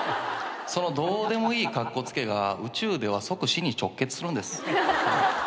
そのどうでもいいカッコつけが宇宙では即死に直結するんです。